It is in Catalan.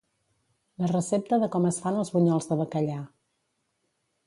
La recepta de com es fan els bunyols de bacallà.